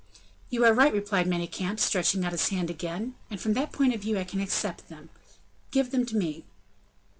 "You are right," replied Manicamp, stretching out his hand again, "and from that point of view I can accept them. Give them to me."